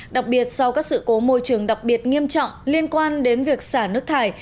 đặc biệt sau các sự cố môi trường đặc biệt nghiêm trọng liên quan đến việc xả nước thải